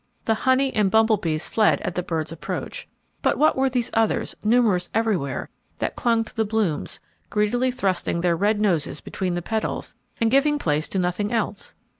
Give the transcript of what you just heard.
The honey and bumble bees fled at the birds' approach, but what were these others, numerous everywhere, that clung to the blooms, greedily thrusting their red noses between the petals, and giving place to nothing else?